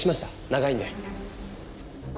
長いんで。